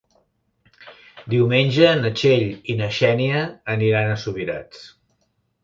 Diumenge na Txell i na Xènia aniran a Subirats.